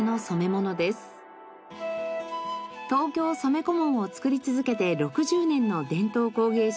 東京染小紋を作り続けて６０年の伝統工芸士